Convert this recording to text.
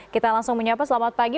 kita langsung menyapa selamat pagi